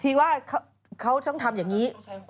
ว่าเขาต้องทำอย่างนี้